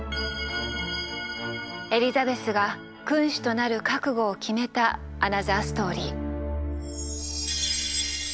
エリザベスが君主となる覚悟を決めたアナザーストーリー。